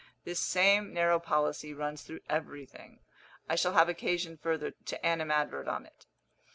This same narrow policy runs through everything. I shall have occasion further to animadvert on it.